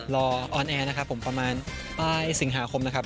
ออนแอร์นะครับผมประมาณปลายสิงหาคมนะครับ